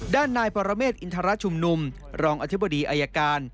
ด้านนายปรเมฆอินทรชุมนุมรองอธิบดีอายการ